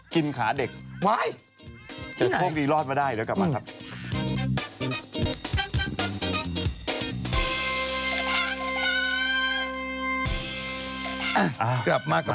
กินขาเด็ก